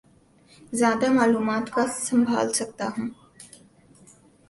زیادہ معلومات کا سنبھال سکتا ہوں